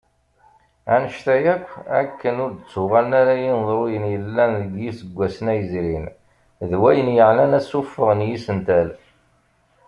Annect-a yakk, akken ur d-ttuɣalen ara yineḍruyen yellan deg yiseggasen-a yezrin, d wayen yeɛnan asuffeɣ n yisental.